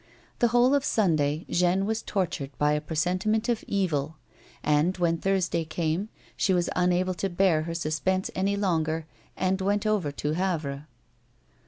The whole of Sunday Jeanne was tortured by a presentiment of evil, and when Thursday came, she was unable lo bear her suspense any longer, and went over to Havre.